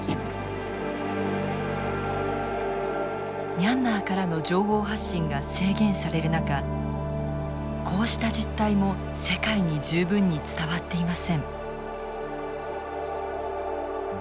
ミャンマーからの情報発信が制限される中こうした実態も世界に十分に伝わっていません。